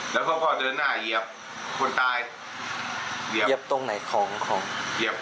แล้วเขาก็เดินหน้าเหยียบคนตายเหยียบตรงไหนของของเหยียบ